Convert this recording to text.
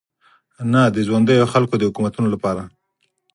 نه د ژونديو خلکو د حکومتونو لپاره.